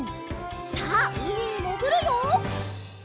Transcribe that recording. さあうみにもぐるよ！